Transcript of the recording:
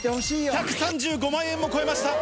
１３５万円も超えました。